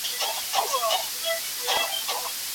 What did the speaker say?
هغه د خاوند کور دی ستا خپل کور نه دی.